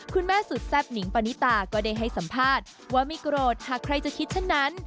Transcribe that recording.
คุณแม่สุดแซ่บหนิงปานิตาก็ได้ให้สัมภาษณ์ว่าไม่โกรธหากใครจะคิดเช่นนั้น